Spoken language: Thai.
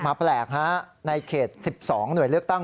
แปลกฮะในเขต๑๒หน่วยเลือกตั้ง